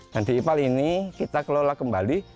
dan di ipal ini kita kelola kembali